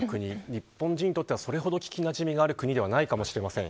日本人にとっては、それほど聞きなじみがある国ではないかもしれません。